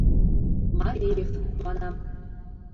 «Мареев». — манам.